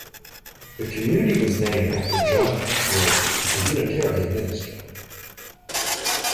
The community was named after John Atwood, a Unitarian minister.